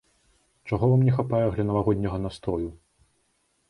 Чаго вам не хапае для навагодняга настрою?